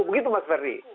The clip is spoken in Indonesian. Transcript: begitu mas ferdi